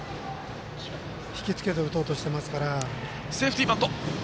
引きつけて打とうとしていますから。